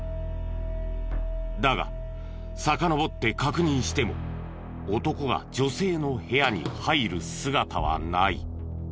だがさかのぼって確認しても男が女性の部屋に入る姿はない。